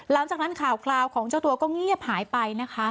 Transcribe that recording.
หลังจากนั้นข่าวของเจ้าตัวก็เงียบหายไปนะคะ